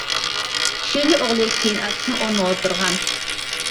ئۈچىنچى ئوغلى كېيىن ئاكىسىنىڭ ئورنىغا ئولتۇرغان.